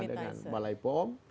kita kerjasama dengan balai pohong